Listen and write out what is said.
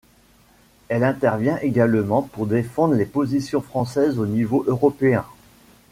Elle intervient également pour défendre les positions françaises au niveau européen.